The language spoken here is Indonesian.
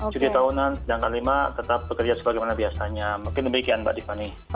cuti tahunan sedangkan lima tetap bekerja sebagaimana biasanya mungkin demikian mbak tiffany